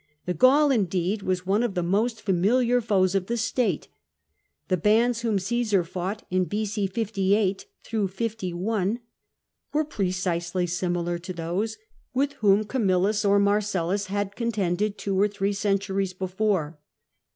The Gaul, indeed, was one of the most familiar foes of the state ; the bands whom Caesar fought in B,c. 58 51 were precisely similar to those with whom Camillus or Marcellus had contended two or three centuries before.